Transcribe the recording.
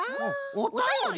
おたより？